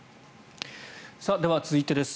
では、続いてです。